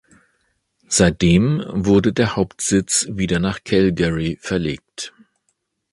Seitdem wurde der Hauptsitz wieder nach Calgary verlegt.